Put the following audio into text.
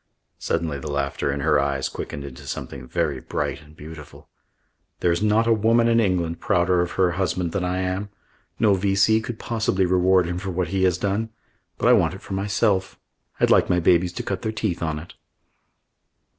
Suddenly the laughter in her eyes quickened into something very bright and beautiful. "There's not a woman in England prouder of her husband than I am. No V.C. could possibly reward him for what he has done. But I want it for myself. I'd like my babies to cut their teeth on it."